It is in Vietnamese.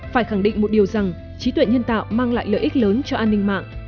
phải khẳng định một điều rằng trí tuệ nhân tạo mang lại lợi ích lớn cho an ninh mạng